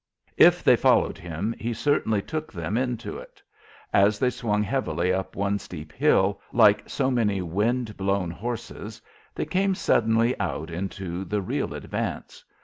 If they followed him, he certainly took them into it. As they swung heavily up one steep hill, like so many wind blown horses, they came suddenly out into the real advance.